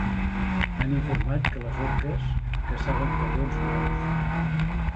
Han informat que les orques caçaven taurons blaus.